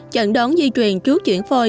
chẩn đoán di truyền trước chuyển phôi